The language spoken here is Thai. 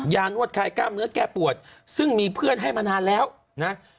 นวดคลายกล้ามเนื้อแก้ปวดซึ่งมีเพื่อนให้มานานแล้วนะ